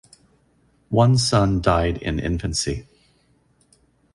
One son died in infancy.